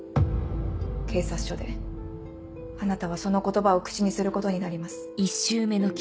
警察署であなたはその言葉を口にすることになります